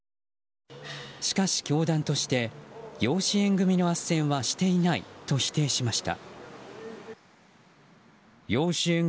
しかし、教団として養子縁組のあっせんはしていないと否定しました。